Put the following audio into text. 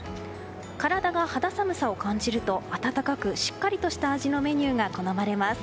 体が肌寒さを感じると温かくしっかりとした味のメニューが好まれます。